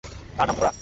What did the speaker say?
তার নাম জোহরা?